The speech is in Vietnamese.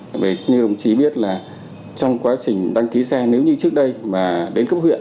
bởi vì như đồng chí biết là trong quá trình đăng ký xe nếu như trước đây mà đến cấp huyện